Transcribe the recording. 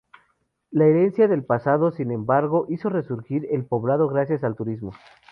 La herencia del pasado, sin embargo, hizo resurgir el poblado gracias al turismo.